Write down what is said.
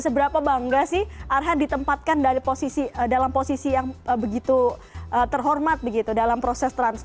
seberapa bangga sih arhan ditempatkan dalam posisi yang begitu terhormat begitu dalam proses transaksi